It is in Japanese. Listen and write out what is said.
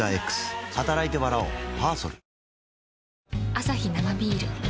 アサヒ生ビール